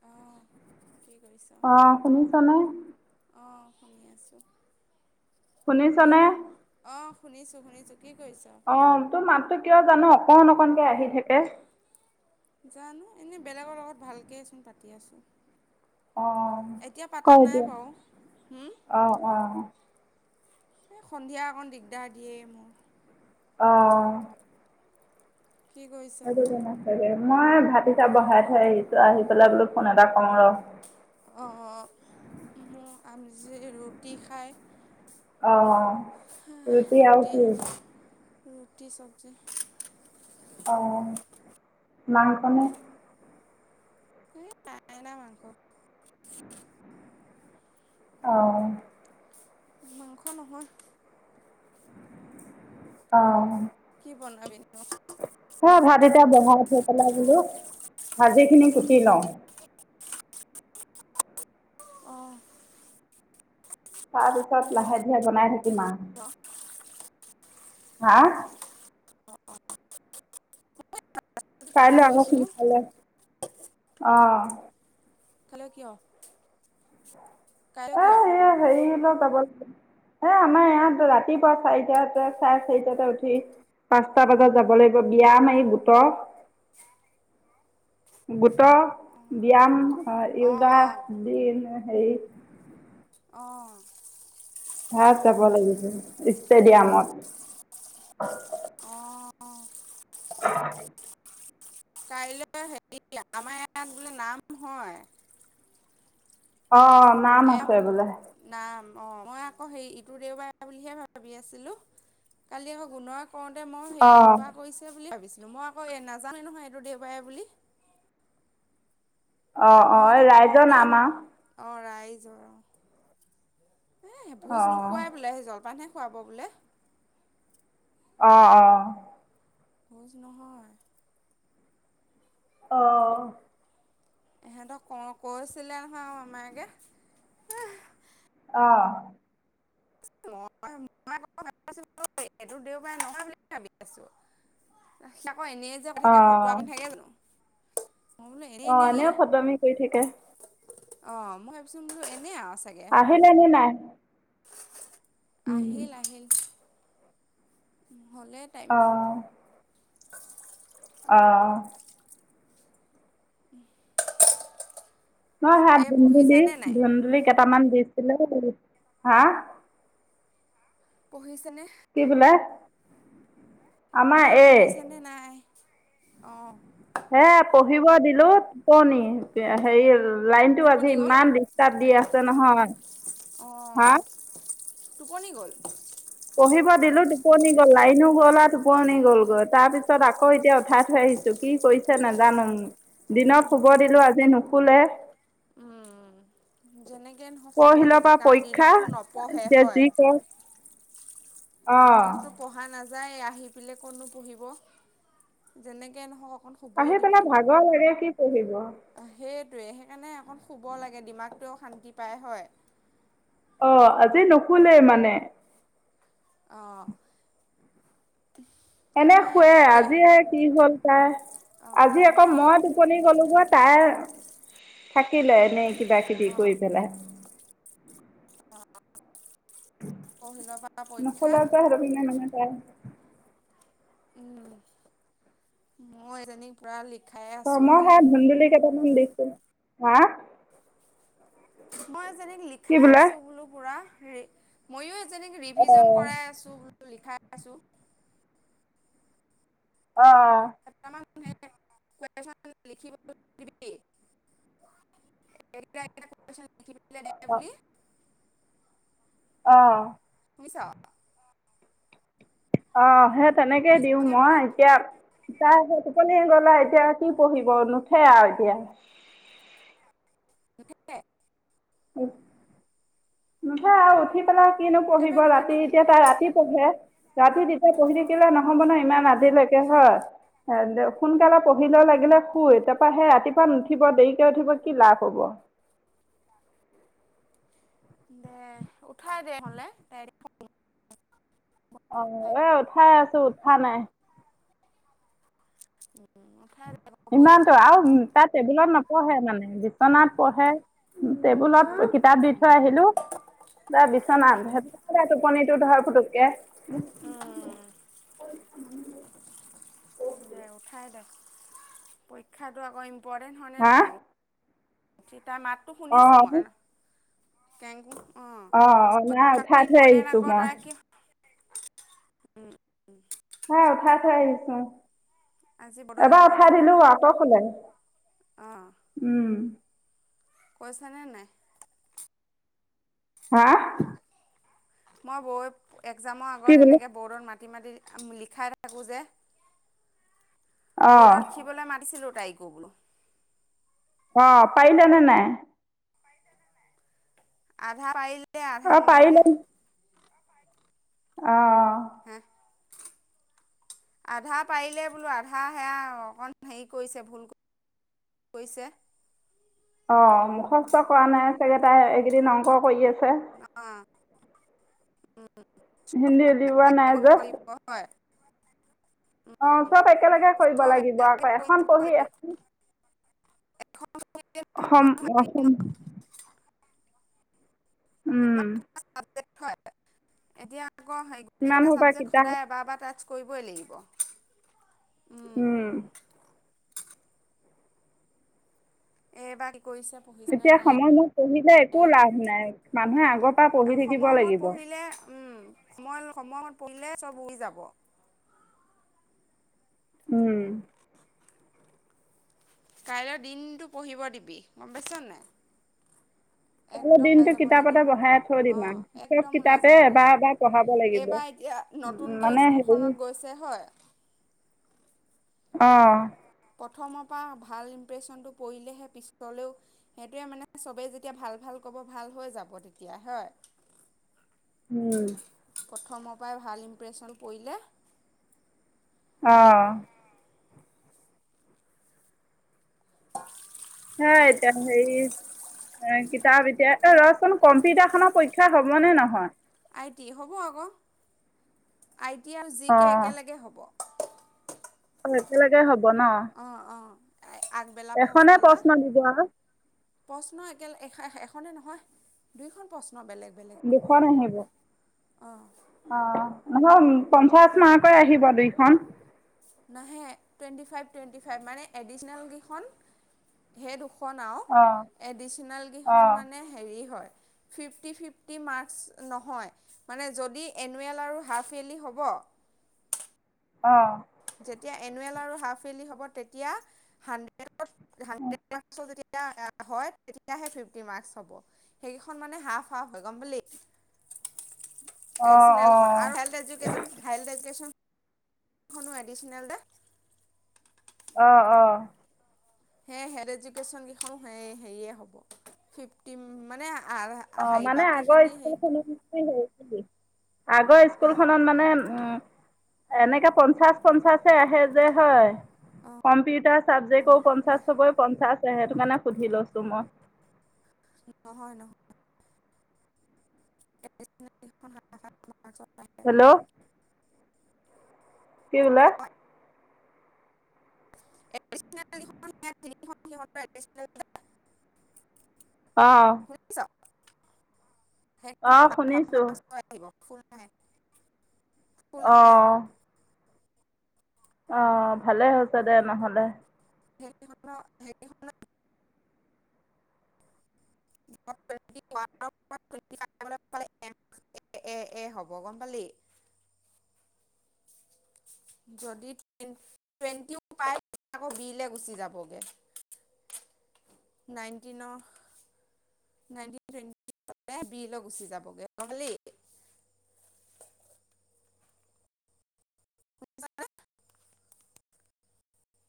অ', কি কৰিছ? অ শুনিছনে? অ', শুনি আছোঁ। কি শুনিছনে? কৰ আহ। শুনিছোঁ, শুনিছোঁ। কি কৰিছ? অ তোৰ মাতটো কিয় জান অকণ অকণকে আহি থাকে। জানো এনে বেলেগৰ লগত ভালকেচোন পাতি আছো। অ' ক এতিয়া বাৰু। হুম, অ-অ, সন্ধিয়া অকণ দিগদাৰ দিয়ে মোৰ। অহ, কি কৰিছ? আম [unintelligible] মই ভাত গিতা বহাই থৈ আহিছো আহি পেলাই বোলো ফোন এটা কৰো ৰহ। উ [inaudible] ম আমজি ৰুটি খায়। অ' ৰুটি আৰু কি? ৰৰুটি চব্জি। অঁ মাংখনে? এই নাই অনা মাংস। অহ, মাংস নহয়। অ, বনাবি ন। হ ভাত এতিয়া বহাই থৈ পেলাই বোলো ভাজি খিনি কুটি লওঁ। অহঁ, তাৰ পিছত লাহে ধীৰে বনাই থাকিম আৰু। লৈছোঁ। হা, কুটি কাইলৈ আহচোন লৈছোঁ। কালে অ' কালৈ কিয়? কায়লৈ এ কিয়? এই হেৰিলৈ যাব লাগে। এ আমাৰ ইয়াত ৰাতিপুৱা চাৰিটাতে চাৰে চাৰিটাতে উঠি পাঁচটা বজাত যাব লাগিব বিয়াম মাৰি গোটৰ। গোট ব্যায়াম অ, য়োগা দিনে। হেৰী। অঁ হাত জাব লাগিব। ইষ্টেডিয়ামত অঁ [inaudible] কাইলৈ হেৰি, আমাৰ ইয়াত বোলে নাম হয়? অ', নাম আছে বোলে। অ', মই আকৌ হেৰি ইটো দেওবাৰ বুলিহে ভাবি আছিলো। কালি আকৌ গুণোৱাক কৰোঁতে মই সেই অ', ফটোৱা কৰিছে বুলি ভাবিচো। মই আকৌ এই নাজানোয়ে ন'হয় এইটো দেওবাৰে বুলি অ', -অ', ৰাইজৰ নাম আ' জৰ। এ ভোজ অ', নোখোৱাই বোলে, সেই জলপান হে খোৱাব বোলে। অ', অ। ভোজ নহয়। অহ। এহেতক ক-কৈছিলে ন'হয়, আমাৰ মামায়েকে এহ। অহ। এইটো দেওবাৰে ন'হয়, বুলি ভাবি আছো অ', এনেই যে, কৈ থাকে ফটোৱা কথা কৰি অ', নাথাকে জানো। মই বোলো এনেই অ', এনেয়ো ফটোৱামি কৰি থাকে। অ', মই ভাবিছো বোলো এনেই আও। আহিলে নে নাই? উম। আহিল, আহিল। উম। হ'লে টাইম। অ', অ। [inaudible] মই হাত এই ধুন্দুলি, পঢ়িছানে নাই ধুন্দুলি কেইটামান দিছ হাঁ পঢ়িচ ছেনে? বোলে আমাৰ এ এই পঢ়িছে নে নাই? অ। হে পঢ়িব দিলো টোপনি হেৰি লাইনটো আজি টোপনি গ'ল ইমান ডিষ্টাৰ্ব দি আছে ন'হয়। অঁ হা টোপনি গ'ল? পঢ়িব দিলো টোপনি গ'ল লাইনো গ'লা টোপনি গ'লগৈ, তাৰপিছত আকৌ এতিয়া উঠাই থৈ আহিছো কি কৰিছে ছে নাজানোং। দিনত অঁ শুব তহ দিলো আজি নুশুলে, উম। যেনেকৈ নহওক শুব পহিলৰ দিবি পৰা কাৰণ পৰীক্ষা দিনতো নপঢ়ে এতিয়া হয় যি কয় দিনততো পঢ়া নাযা যায় আহি পেলাই কত নো পঢ়িব? যেনেকৈ নহওক অকণ শুবই আহি দিবি পেলাই ভাগৰ লাগে কি পঢ়িব? সেইটোৱে সেইকাৰণে অকণ শুব লাগে দিমাগটোৱেও শান্তি পায় হয়। অ আজি নুশুলে মানে। অঁ। এনে শুৱে আজি কি হ'ল তাই? অ আজি আকৌ আমাৰ এই মই টোপনি গলোগৈ তাই [unintelligible] এনেই কিবা কিবি অ কৈ পেলাই পৰহিলৰ পৰা পৰীক্ষা নোখোলে যে [unintelligible] তাই উম মই এজনীক পুৰা লি অ মই হে ধুন্দুলি কেইটামান দিছো। হা? মই জানীক কি লিখাই বোলে আছো বোলো পুৰা। মইয়ো [unintelligible] অ ৰিভিজন কৰাই আছো বোল লিখা আছোঁ। অহ। [inaudible] [inaudible] [inaudible] নাই অ বুলি অ। শুনিছ? আহ সে তেনেকে দিও শুনিছনে মই, বোলো এতিয়া তাৰ টোপনিয়ে গ'লা এতিয়া কি পঢ়িব নুঠে আ এতিয়া। [inaudible] উ। নুঠে আও উঠি পেলাই। কিনো পঢ়িব একেবাৰে নুঠে ৰাতি নেকি এতিয়া তাই ৰাতি পঢ়ে। ৰাতি তেতিয়া পঢ়ি থাকিলে নহ'ব ন ইমান আজিলৈকে হয়। দে সোনকালে পঢ়িল ল লাগিলে শুই। তাৰপা সেই ৰাতিপুৱা নুঠিব দেৰিকে উঠিব কি লাভ হ'ব? দে উঠাই দে হলে। অ এ উঠাই আছো উঠা নাই। উঠাই দে পৰীক্ষা ইমানতটো আও আকৌ তাৰ টেবুলত নপঢ়ে মানে, বিচনাত পঢ়ে। টেবুলত সেইটো কাৰণে কিতাপ দি থৈ উম। আহিলো তাৰ বিচনাত সেই ত টোপনিটো ধৰ ফুট কে। উম দে উঠাই দে পৰীক্ষাতটো আকৌ ইম ইম্পৰ্টেণ্ট হয় নে হা নহয়? উঠি তাই মাতটো শুনিছো মই। Thank you. অ নাই উঠাই থৈ আহিছো মই। [unintelligible] উম্ উঠাই থৈ আহিচুং। আজি বৰ্ডত এবাৰ লিখিব উঠাই দিছিলোঁ দিলো নহয় আকৌ শুলে। উম। কৈছ নে নাই? হা [unintelligible] মই গৈ এক্সামৰ কি আগত বোলে এনেকৈ বৰ্ডত মাতি মা ম, লিখাই থাকোঁ যে। অঁ বৰ্ডত লিখিবলৈ মাতিছিলোঁ তাইক। গ [inaudible] অঁ, পাইিল ন নাই? আধা মাইল [unintelligible] এ আধা অঁ নোৱালে। অ'অ। অ হে [unintelligible] আধা পাৰিলে বোলো, আধা সেয়া অকণ হেৰি কৰিছে, ভুল কৰিছে। অঁ, মুখস্থ কৰা নাই চাগেটাই, এইকেইদিন অংকৰ কৰি আছে হ [inaudible] অঁ হিন্দীল ইোৱা নাইজ। কৰিব লাগিব [inaudible] অ' চব একেলগে কৰিব চব লাগিব একেলগে আকৌ, কৰিব এখন পঢ়ি লাগিব এখন এখন ছবিয়ে নহ'ব অসম, অসম, নহয় অসম উম। ইমানটা ছাবজেক্ট এতিয়া গোেই [unintelligible] ইমান কেইটা সোপা চাব্ [unintelligible] কিতাপ সদায় এবাৰ এবা কৰিবই লাগিব। উম। এই ভাৰী এতিয়া সময়মত পঢ়িলে একো লাভ নাই, মানুহে আগৰ পৰা পঢ়ি থাকিব সময় মূৰত লাগিব। পঢ়িলে উম, মই সময়ত পৰিলে চব উই যাব। উম। কাইলৈ দিনতটো পঢ়িব দিবি, গম পাইছ নাই? কাইলৈ একদম ওলাই দিনটো যাব কিতাপতে নিদিম, বহাই থৈ দিম অঁ আৰু চব একদম ওলাই কিতাপে যাব এবাৰ নিদিম, এবাৰ পঢ়াব লাগিব। এইবাৰ এতিয়া উম, নতুনকে মানে হেৰি স্কুলখনত গৈছে হয় অঁ। প্ৰথমৰ পৰা ভাল ইমপ্ৰেশচনটো পৰিলেহে পিছলেও, সেইটোৱে মানে চবেই যেতিয়া ভাল ভাল ক'ব, ভাল হৈ যাব, তেতিয়া হয়। উম। প্ৰথমৰ পৰাই ভাল ইমপ্ৰেশ্যন পৰিলে অঁ। হ এতিয়া হেৰি, কিতাপ এতিয়া, ৰচোন কম্পিউটাৰ খনৰ পৰীক্ষা হ'ব নে নহয়? আইটি হ'ব আকৌ। I T, R G K একেলগে হ'ব। অ একেলগে হব বনা অঁ অঁ আগবেলা পেছবেলা আৰু প্ৰশ্ন একেল এ এ নে নহয় দুইখন প ন বেলেগ বেলেগ হ'ব দুখন আহিব। অঁ অহ পঞ্চাশ মাহকৈ আহিব দুইখন [unintelligible] খনও এডিচনেলকেইখন অ', অ', মানে হেৰি হয় ফিফটি ফিফটি ম্কছ নহয় মানে যদি এনুৱেল আৰু হাফলি হ'ব অ। যেতিয়া এনুৱেল আৰু হাফলী হ'ব তেতিয়া হাড্ৰেড [unintelligible] হয় তেতিয়াহে ফিফটি মাৰ্ক হ'ব সেইকেইখন মানে হাফ হাফ হয় গম বুলি অ', নেন খনো এডিচনেল দে অ', অ', [unintelligible] অ হেৰি মানে আগৰ বাকীখিনি হেৰি স্কুলখনত হেৰি আগৰ স্কুল খনত মানে উম এনেকাে পঞ্চাশ পঞ্চাশে আহে যে হয় কম্পিউটাৰ চাবজেক্ট হা পঞ্চাশবৈ পঞ্চাশ সেইটো কাৰণে সুধি লৈছো মই নহয় নহয় [unintelligible] পত থাকে [unintelligible] হেল্ল' কি বল এ এ আহঁ আহ শুনিছো শুলে শো ন অ হে অ ভালে হৈছে দে নহলে হ হে হ ন এ এ এ হ'ব গম পালি যদি টুৱেটি পায় আকৌ বি গুচি যাবগেট বিলে গুচি যাবগৈ নহি [unintelligible] [unintelligible]